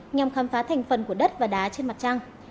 nhằm khám phá thành phần của đất và đá trên mặt trăng